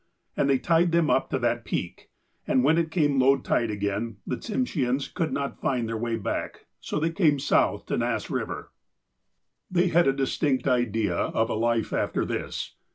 And they tied them up to that peak. And when it came low tide again, the Tsimsheaus could not find their way back, so they came south to Nass Eiver." They had a distinct idea of a life after this.